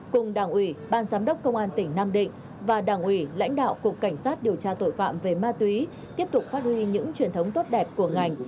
cùng đảng ủy ban giám đốc công an tỉnh nam định và đảng ủy lãnh đạo cục cảnh sát điều tra tội phạm về ma túy tiếp tục phát huy những truyền thống tốt đẹp của ngành